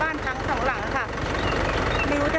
ออกมาไม่ได้เลยสักอย่าง